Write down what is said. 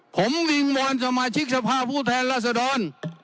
ผมวิงวอนสมาชิกสภาพผู้แทนราษดร